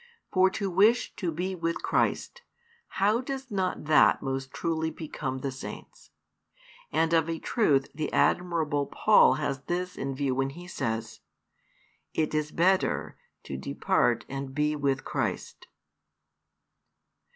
For to wish to be with Christ, how does not that most truly become the Saints? And of a truth the admirable Paul has this aim in view when he says: It is better to depart and be with Christ.